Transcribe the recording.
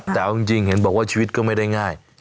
แต่เอาจริงเห็นบอกว่าชีวิตก็ไม่ได้ง่าย